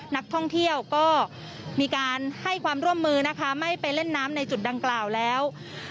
นักท่องเที่ยวก็มีการให้ความร่วมมือนะคะไม่ไปเล่นน้ำในจุดดังกล่าวแล้ว